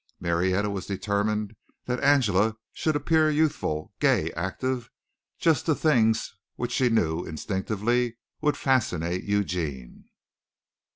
Marietta was determined that Angela should appear youthful, gay, active, just the things which she knew instinctively would fascinate Eugene.